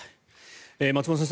松本先生